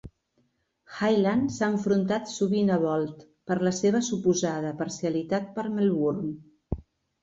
Hyland s'ha enfrontat sovint a Bolte per la seva suposada parcialitat per Melbourne.